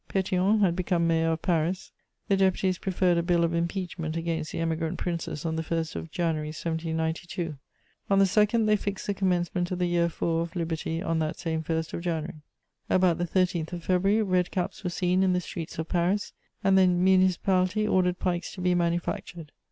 Pétion had become Mayor of Paris. The deputies preferred a bill of impeachment against the Emigrant Princes on the 1st of January 1792; on the 2nd, they fixed the commencement of the Year IV. of Liberty on that same 1st of January. About the 13th of February, red caps were seen in the streets of Paris, and the municipality ordered pikes to be manufactured.